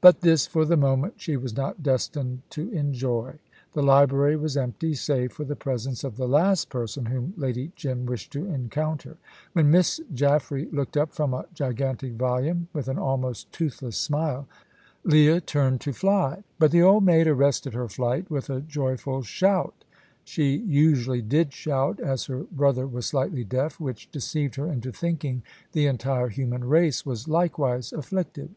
But this for the moment she was not destined to enjoy. The library was empty, save for the presence of the last person whom Lady Jim wished to encounter. When Miss Jaffray looked up from a gigantic volume with an almost toothless smile, Leah turned to fly. But the old maid arrested her flight with a joyful shout. She usually did shout, as her brother was slightly deaf, which deceived her into thinking the entire human race was likewise afflicted.